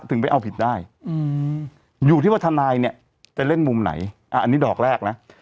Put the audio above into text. ไปเอาผิดได้อยู่ที่ว่าทนายเนี่ยจะเล่นมุมไหนอันนี้ดอกแรกนะ